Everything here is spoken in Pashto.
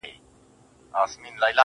رانه هېريږي نه خيالونه هېرولاى نه ســم~